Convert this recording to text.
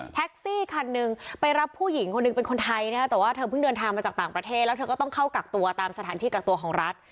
คันหนึ่งไปรับผู้หญิงคนหนึ่งเป็นคนไทยนะคะแต่ว่าเธอเพิ่งเดินทางมาจากต่างประเทศแล้วเธอก็ต้องเข้ากักตัวตามสถานที่กักตัวของรัฐ